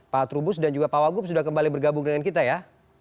pak trubus dan juga pak wagub sudah kembali bergabung dengan kita ya